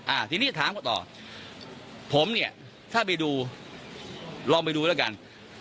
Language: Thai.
อ่าทีนี้ถามเขาต่อผมเนี่ยถ้าไปดูลองไปดูแล้วกัน